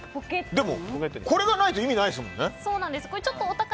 でも、これがないと意味ないですもんね。